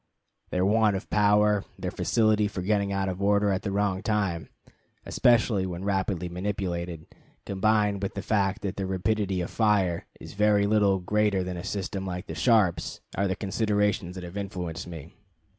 Their want of power, their facility for getting out of order at the wrong time, especially when rapidly manipulated, combined with the fact that their rapidity of fire is very little greater than a system like the Sharps, are the considerations that have influenced me.